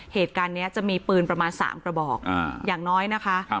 เหตุการณ์นี้จะมีปืนประมาณ๓กระบอกอย่างน้อยนะคะ